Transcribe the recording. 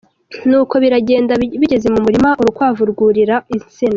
Nuko biragenda, bigeze mu murima, urukwavu rwurira insina.